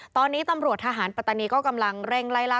ตอนนี้ตรวจทหารปัตตานีก็กำลังเลยร่า